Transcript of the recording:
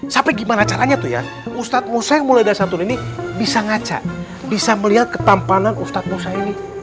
sampai gimana caranya tuh ya ustadz nusa yang mulai dari santun ini bisa ngaca bisa melihat ketampanan ustadz nusa ini